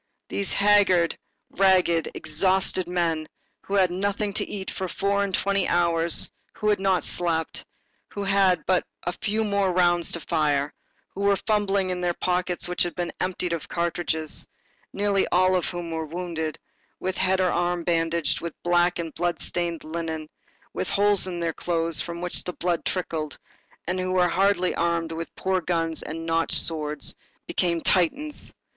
These haggard, ragged, exhausted men, who had had nothing to eat for four and twenty hours, who had not slept, who had but a few more rounds to fire, who were fumbling in their pockets which had been emptied of cartridges, nearly all of whom were wounded, with head or arm bandaged with black and blood stained linen, with holes in their clothes from which the blood trickled, and who were hardly armed with poor guns and notched swords, became Titans.